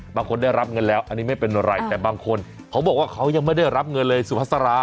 บางคนได้รับเงินแล้วอันนี้ไม่เป็นไรแต่บางคนเขาบอกว่าเขายังไม่ได้รับเงินเลยสุภาษา